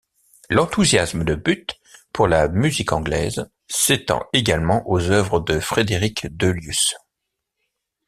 L'enthousiasme de Buth pour la musique anglaise s'étend également aux œuvres de Frederick Delius.